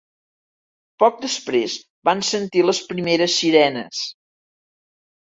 Poc després van sentir les primeres sirenes.